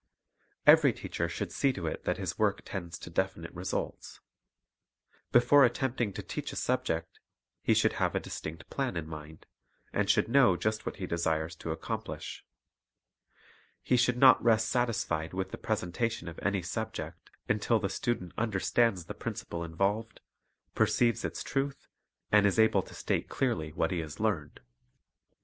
Every teacher should see to it that his work tends to definite results. Before attempting to teach a sub ject, he should have a distinct plan in mind, and should Simplicity Enthusiasm 234 Ch a ra cier B it ?'/di?ig know just what he desires to accomplish. He should not rest satisfied with the presentation of any subject until the student understands the principle involved, perceives its truth, and is able to state clearly what he has learned.